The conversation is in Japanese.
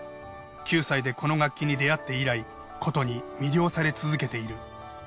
９歳でこの楽器に出会って以来筝に魅了され続けている。